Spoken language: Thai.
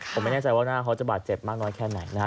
ผมไม่แน่ใจว่าหน้าเขาจะบาดเจ็บมากน้อยแค่ไหนนะครับ